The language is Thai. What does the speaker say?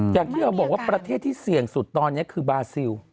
อย่างที่เราบอกว่าประเทศที่เสี่ยงสุดตอนนี้คือบาซิล